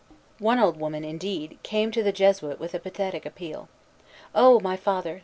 One old woman, indeed, came to the Jesuit with a pathetic appeal: "Oh, my Father!